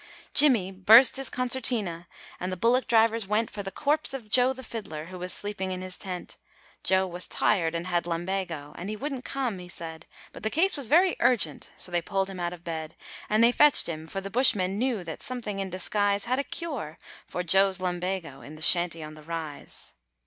Jimmy burst his concertina, and the bullock drivers went For the corpse of Joe the Fiddler, who was sleeping in his tent; Joe was tired and had lumbago, and he wouldn't come, he said, But the case was very urgent, so they pulled him out of bed; And they fetched him, for the bushmen knew that Something in Disguise Had a cure for Joe's lumbago in the Shanty on the Rise.